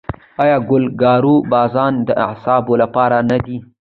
آیا ګل ګاو زبان د اعصابو لپاره نه دی؟